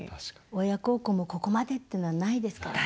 親孝行もここまでっていうのはないですからね。